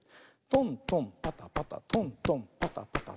トントンパタパタトントンパタパタ。